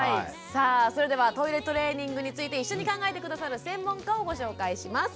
さあそれではトイレトレーニングについて一緒に考えて下さる専門家をご紹介します。